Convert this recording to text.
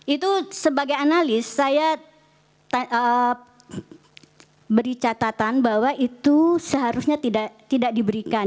itu sebagai analis saya beri catatan bahwa itu seharusnya tidak diberikan